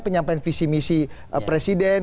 penyampaian visi misi presiden